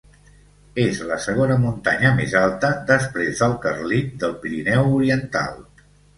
És la segona muntanya més alta, després del Carlit, del Pirineu Oriental.